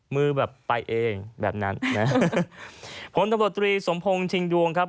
มือแบบไปเองแบบนั้นนะผลตำรวจตรีสมพงศ์ชิงดวงครับ